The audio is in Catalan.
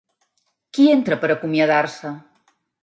Qui entra per acomiadar-se?